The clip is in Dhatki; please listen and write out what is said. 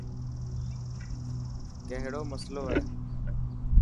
ڪهڙو مصلو هي.